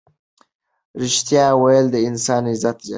ریښتیا ویل د انسان عزت زیاتوي.